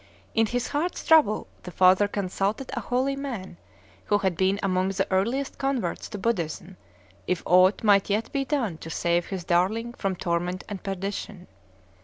In his heart's trouble the father consulted a holy man, who had been among the earliest converts to Buddhism, if aught might yet be done to save his darling from torment and perdition.